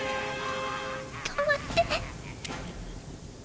止まって！